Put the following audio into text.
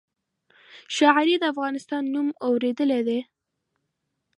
شاعري د افغان نوم اورېدلی دی.